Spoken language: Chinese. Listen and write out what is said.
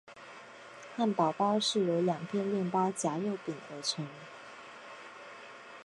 汉堡包是由两片面包夹肉饼而成。